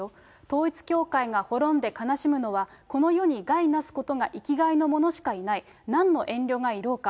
統一教会が滅んで悲しむのは、この世に害なすことが生きがいの者しかいない、なんの遠慮がいろうか？